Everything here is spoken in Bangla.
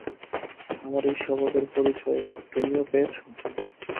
আমার এই স্বভাবের পরিচয় তুমিও পেয়েছ।